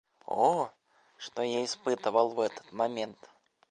О! что я испытывал в этот момент!